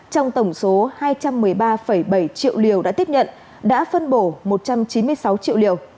trong tổng số hai trăm một mươi ba bảy triệu liều đã tiếp nhận đã phân bổ một trăm chín mươi sáu triệu liều